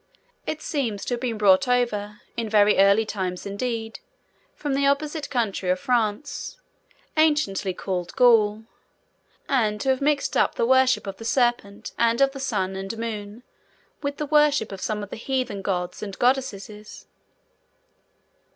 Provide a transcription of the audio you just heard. It seems to have been brought over, in very early times indeed, from the opposite country of France, anciently called Gaul, and to have mixed up the worship of the Serpent, and of the Sun and Moon, with the worship of some of the Heathen Gods and Goddesses.